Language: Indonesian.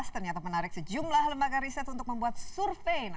ternyata menarik sejumlah lembaga riset untuk membuat survei